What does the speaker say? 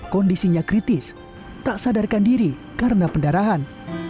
kondisinya kritis tak sadarkan diri karena pendarahan